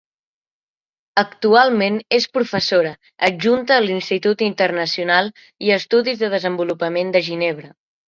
Actualment és professora adjunta a l'Institut Internacional i Estudis de Desenvolupament de Ginebra.